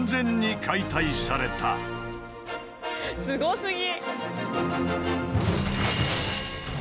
すごすぎ！